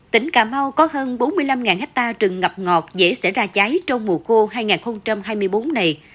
tỉnh cà mau có hơn bốn mươi năm hectare rừng ngập ngọt dễ sẽ ra cháy trong mùa khô hai nghìn hai mươi bốn này